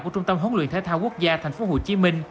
của trung tâm hỗn luyện thế thao quốc gia tp hcm